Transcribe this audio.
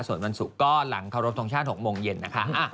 ส่วนวันศุกร์ก็หลังเคารพทงชาติ๖โมงเย็นนะคะ